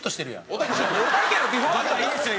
おたけのビフォーアフターはいいですよ